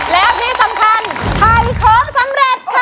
แล้วที่สำคัญถ่ายของสำเร็จค่ะ